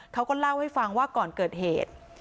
เขาก็เล่าให้ฟังว่าก่อนเกิดเหตุ